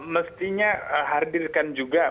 mestinya hadirkan juga